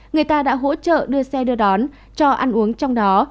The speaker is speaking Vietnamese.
người ta đã hỗ trợ đưa xe đưa đón cho ăn uống trong đó